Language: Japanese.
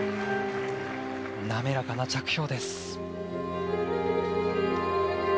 滑らかな着氷です。